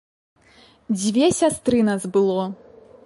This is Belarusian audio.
Дзве сястры нас было.